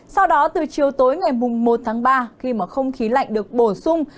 sau đó từ chiều tối ngày một tháng ba khi mà không khí lạnh được bổ sung